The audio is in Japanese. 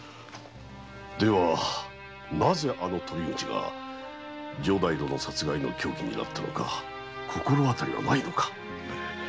ではなぜあの鳶口が城代殿殺害の凶器になったのか心当たりはないのか？